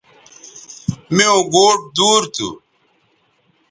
میوں گوٹ دور تھو